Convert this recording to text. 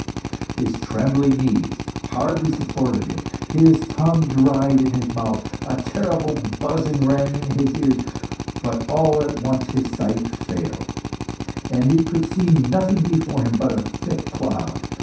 His trembling knees hardly supported him, his tongue dried in his mouth, a terrible buzzing rang in his ears. But all at once his sight failed, and he could see nothing before him but a thick cloud.